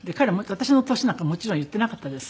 私の年なんかもちろん言っていなかったです